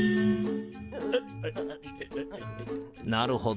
なるほど。